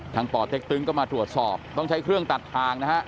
ป่อเต็กตึงก็มาตรวจสอบต้องใช้เครื่องตัดทางนะฮะ